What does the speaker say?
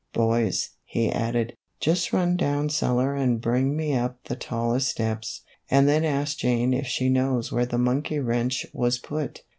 Boys," he added, "just run down cellar and bring me up the tallest steps, and then ask Jane if she knows where that monkey wrench was put."